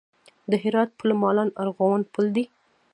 د هرات پل مالان ارغوان پل دی